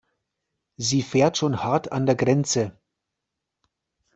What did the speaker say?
Sie fährt schon hart an der Grenze.